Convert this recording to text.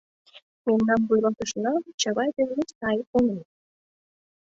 — Мемнан вуйлатышына — Чавай ден Мустай он!